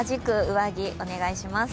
ぜひお願いします。